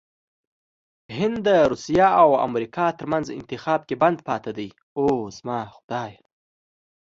هند دروسیه او امریکا ترمنځ انتخاب کې بند پاتې دی😱